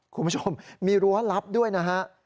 คุณผู้ชมมีรั้วลับด้วยนะฮะ